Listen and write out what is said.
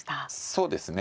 そうですね。